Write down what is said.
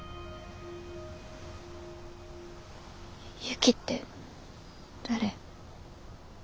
ユキって誰？